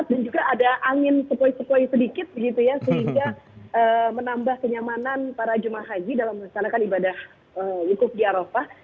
dan juga ada angin sepoi sepoi sedikit sehingga menambah kenyamanan para jemaah haji dalam melaksanakan ibadah yukub di arapah